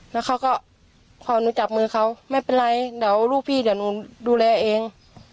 แล้วเขาก็พอหนูจับมือเขาไม่เป็นไรเดี๋ยวลูกพี่เดี๋ยวหนูดูแลเอง